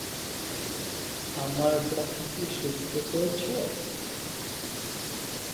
আমার কথা কি শুনতে পেয়েছো?